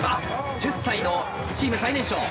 １０歳のチーム最年少。